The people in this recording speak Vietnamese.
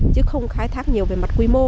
chứ không khai thác nhiều về mặt quy mô